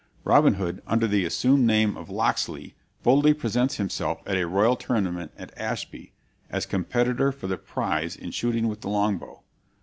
Robin Hood, under the assumed name of Locksley, boldly presents himself at a royal tournament at Ashby, as competitor for the prize in shooting with the long bow.